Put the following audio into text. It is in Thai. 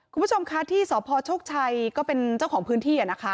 คุณผู้ชมคะที่สพโชคชัยก็เป็นเจ้าของพื้นที่นะคะ